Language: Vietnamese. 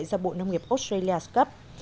do bộ nông nghiệp australia cấp